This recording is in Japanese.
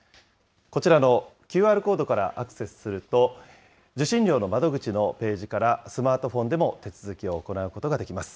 こちらのＱＲコードからアクセスすると、受信料の窓口のページから、スマートフォンでも手続きを行うことができます。